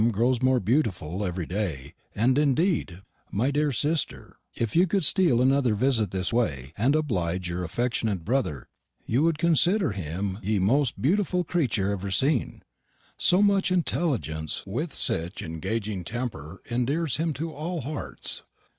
grows more butiful everry day; and indede, my dear sisterr, if you cou'd stele another visitt this waye, and oblidge yr affectionat brother, you wou'd considerr him ye moste butifull creetur ever scene. So much enteligence with sich ingaging temper endeares him to all hartes.